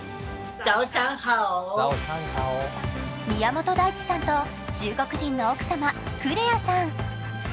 宮本大地さんと中国人の奥様、クレアさん。